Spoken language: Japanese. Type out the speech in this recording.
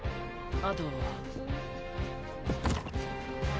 あと。